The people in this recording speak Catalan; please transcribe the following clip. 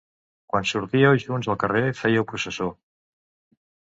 Quan sortíeu junts al carrer fèieu processó.